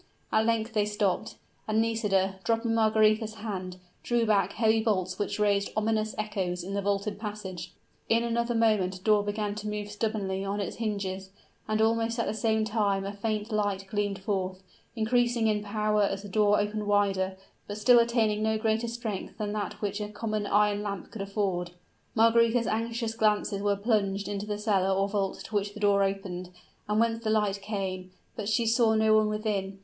At length they stopped; and Nisida, dropping Margaretha's hand, drew back heavy bolts which raised ominous echoes in the vaulted passage. In another moment a door began to move stubbornly on its hinges; and almost at the same time a faint light gleamed forth increasing in power as the door opened wider, but still attaining no greater strength than that which a common iron lamp could afford. Margaretha's anxious glances were plunged into the cellar or vault to which the door opened, and whence the light came: but she saw no one within.